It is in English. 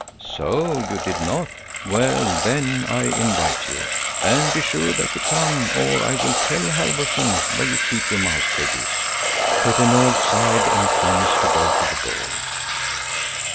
"So, you did not. Well, then I invite you. And be sure that you come, or I will tell Halfvorson where you keep your mouse cages." Petter Nord sighed and promised to go to the ball.